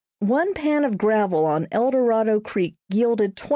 One pan of gravel on Eldorado Creek yielded $2100.